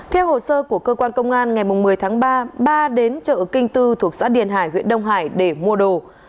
theo hồ sơ của cơ quan công an ngày một mươi tháng ba ba đến chợ kinh tư thuộc xã điền hải huyện đông hải để mua đồ